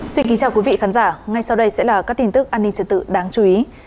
xin kính chào quý vị khán giả ngay sau đây sẽ là các tin tức an ninh trật tự đáng chú ý